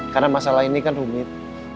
karena masalah ini kan rumit